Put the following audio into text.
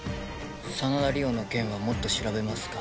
真田梨央の件はもっと調べますか？